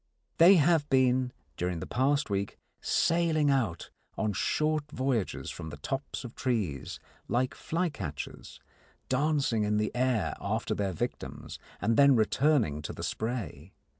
They have been, during the past week, sailing out on short voyages from the tops of trees, like flycatchers, dancing in the air after their victims and then returning to the spray.